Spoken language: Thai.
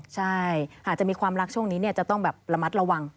ใช่หากจะมีความรักช่วงนี้จะต้องแบบระมัดระวัง